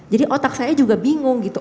jadi otak saya juga bingung gitu